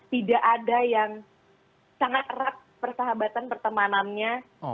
tidak ada yang sangat erat persahabatan pertemanannya